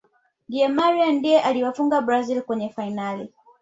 di Maria ndiye aliyewafunga brazil kwenye fainali